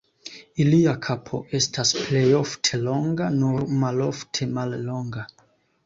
Ilia kapo estas plej ofte longa, nur malofte mallonga.